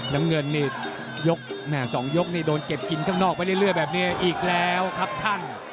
น้ำเงินนี่ยกแม่๒ยกนี่โดนเก็บกินข้างนอกไปเรื่อยแบบนี้อีกแล้วครับท่าน